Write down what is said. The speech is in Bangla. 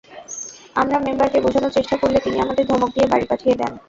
আমরা মেম্বারকে বোঝানোর চেষ্টা করলে তিনি আমাদের ধমক দিয়ে বাড়ি পাঠিয়ে দেন।